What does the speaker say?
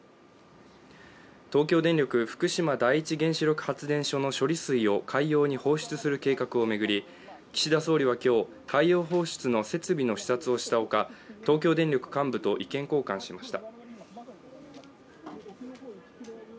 東京電力・福島第一原子力発電所の処理水を海洋に放出する計画を巡り岸田総理は今日、海洋放出の設備の視察をしたほか東京電力幹部と意見交換しました。